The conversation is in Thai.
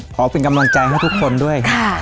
ขอเป็นกำลังใจให้ทุกคนด้วย